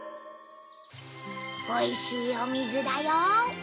・おいしいおみずだよ。